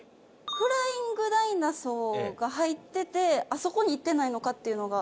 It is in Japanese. フライング・ダイナソーが入っててあそこに行ってないのかっていうのが。